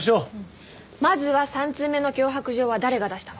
まずは３通目の脅迫状は誰が出したのか。